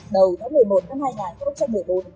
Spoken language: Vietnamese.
đầu tháng một mươi một năm hai nghìn một mươi bốn